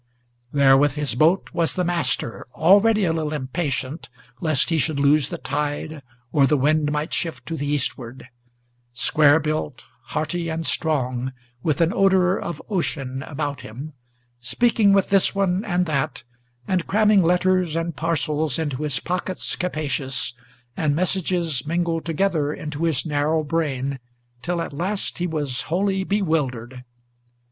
There with his boat was the Master, already a little impatient Lest he should lose the tide, or the wind might shift to the eastward, Square built, hearty, and strong, with an odor of ocean about him, Speaking with this one and that, and cramming letters and parcels Into his pockets capacious, and messages mingled together Into his narrow brain, till at last he was wholly bewildered.